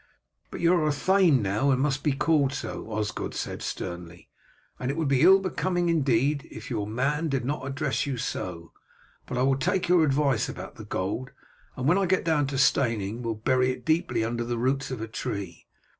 "But you are a thane now and must be called so," Osgod said sternly; "and it would be ill becoming indeed if I your man did not so address you. But I will take your advice about the gold, and when I get down to Steyning will bury it deeply under the roots of a tree.